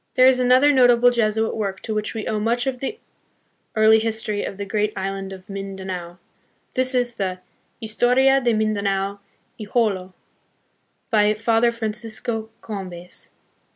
There is another notable Jesuit work to which we owe much of the early history of the great island of Mindanao : this is the Historia de Mindanao y Jolo, by Father Fran cisco Combes.